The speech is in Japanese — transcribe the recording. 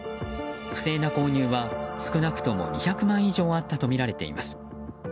不正な購入は少なくとも２００枚以上あったとみられています。